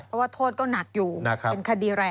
เพราะว่าโทษก็หนักอยู่เป็นคดีแรง